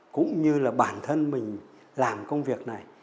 cũng như là bản thân mình làm công việc này